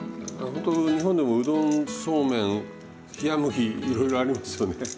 ほんと日本でもうどんそうめん冷や麦いろいろありますよね。